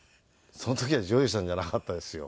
その時は「譲二さん」じゃなかったですよ。